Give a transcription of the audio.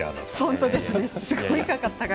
本当ですね。